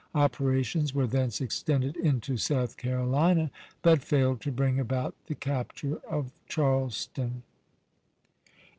Operations were thence extended into South Carolina, but failed to bring about the capture of Charleston.